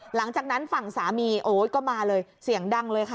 หลังจากนั้นฝั่งสามีโอ๊ตก็มาเลยเสียงดังเลยค่ะ